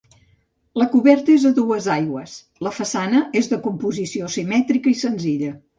La coberta és a dues aigües, la façana és de composició simètrica i senzilla.